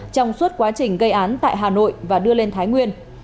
trong suốt quá trình gây án tại hà nội và đưa lên thái nguyên